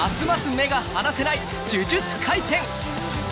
ます目が離せない「呪術廻戦」